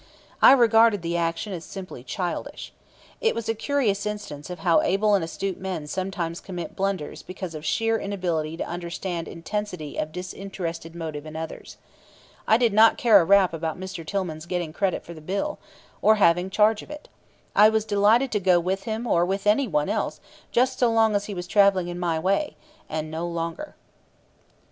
I regarded the action as simply childish. It was a curious instance of how able and astute men sometimes commit blunders because of sheer inability to understand intensity of disinterested motive in others. I did not care a rap about Mr. Tillman's getting credit for the bill, or having charge of it. I was delighted to go with him or with any one else just so long as he was traveling in my way and no longer.